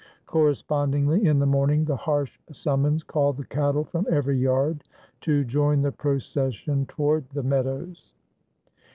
Correspondingly in the morning the harsh summons called the cattle from every yard to join the procession toward the meadows.